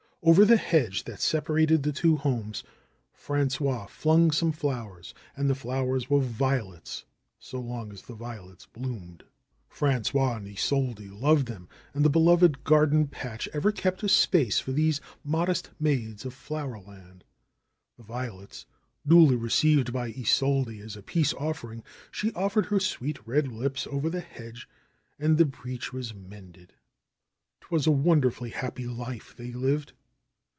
Over the hedge that separated the two homes Frangois flung some flowers, and the flowers were violets so long as the violets bloomed. Frangois and Isolde loved them, and the beloved garden patch ever kept a space for these modest maids of flowerland. The THE HERMIT OF SAGUENAY 44 violets duly received by Isolde as a peace offering, she offered her sweet, red lips over the hedge and the breach was mended. ^Twas a wonderfully happy life they lived